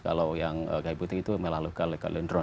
kalau yang eukalyptus itu melalui eukalyptus dron